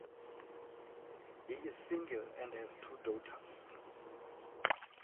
He is single and has two daughters.